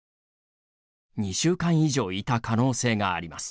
２週間以上いた可能性があります。